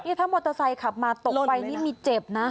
ถ้ามอเตอร์ไซค์ขับมาตกไปนี่มีเจ็บนะ